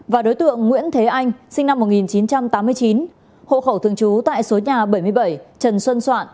và đối tượng nguyễn thế anh sinh năm một nghìn chín trăm tám mươi chín hộ khẩu thường trú tại số nhà bảy mươi bảy trần xuân soạn